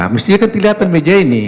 mestinya kan kelihatan meja ini